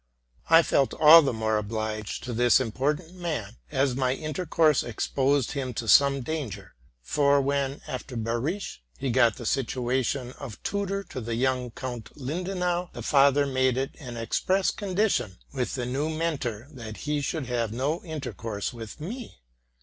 I felt all the more obliged to this important man, as my intercourse exposed him to some danger ; for when, after Behrisch, he got the situation of tutor to the young Count Lindenau, the father made it an express condition with the new Mentor that he should have no intercourse with me.